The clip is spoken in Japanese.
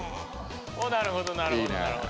なるほどなるほど。